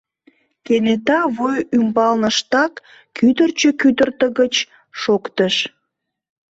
Кенета вуй ӱмбалныштак кӱдырчӧ кӱдыртыгыч шоктыш.